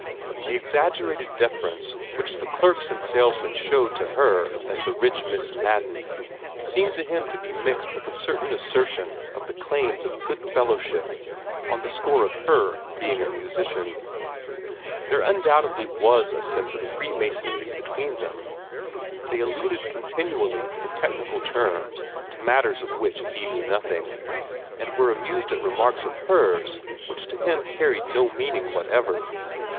The exaggerated deference which the clerks and salesmen showed to her as the rich Miss Madden, seemed to him to be mixed with a certain assertion of the claims of good fellowship on the score of her being a musician. There undoubtedly was a sense of freemasonry between them. They alluded continually in technical terms to matters of which he knew nothing, and were amused at remarks of hers which to him carried no meaning whatever.